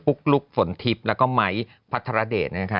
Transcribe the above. ปุ๊กลุ๊กฝนทิพย์แล้วก็ไม้พัฒนาเดชน์นะคะ